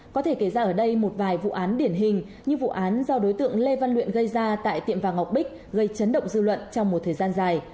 có thể kể ra ở đây một vài vụ án điển hình như vụ án do đối tượng lê văn luyện gây ra tại tiệm vàng ngọc bích gây chấn động dư luận trong một thời gian dài